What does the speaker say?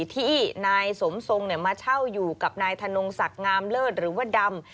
ที่นายสมทรงมาเช่าอยู่กับนายธนงศักดิ์งามเลิศหรือว่าดำ